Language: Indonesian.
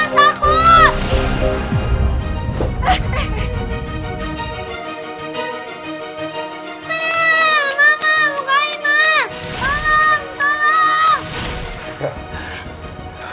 bang erang takut lah